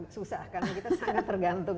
susah karena kita sangat tergantung